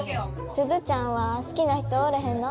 鈴ちゃんは好きな人おれへんの？